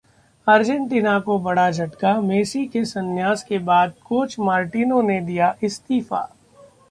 Argentina को बड़ा झटका, मेसी के संन्यास के बाद कोच मार्टिनो ने दिया इस्तीफा